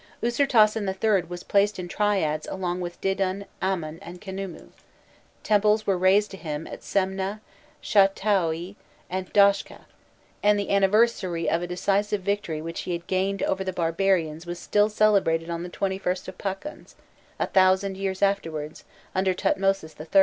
Ûsirtasen III. was placed in triads along with Didûn, Amon, and Khnûmû; temples were raised to him at Semneh, Shotaûi, and Doshkeh; and the anniversary of a decisive victory which he had gained over the barbarians was still celebrated on the 21st of Pachons, a thousand years afterwards, under Thutmosis III.